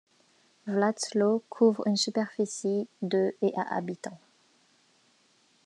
Vladslo couvre une superficie de et a habitants.